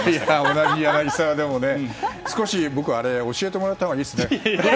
同じ「やなぎさわ」でも少し僕は教えてもらったほうがいいですね。